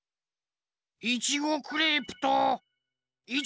いちごクレープといちごドーナツ！